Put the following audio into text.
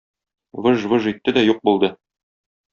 Выж-выж итте дә юк булды.